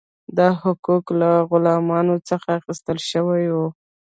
دا حقوق له غلامانو څخه اخیستل شوي وو.